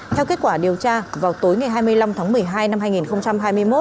theo kết quả điều tra vào tối ngày hai mươi năm tháng một mươi hai năm hai nghìn hai mươi một